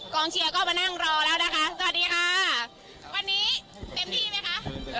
เชียร์ก็มานั่งรอแล้วนะคะสวัสดีค่ะวันนี้เต็มที่ไหมคะ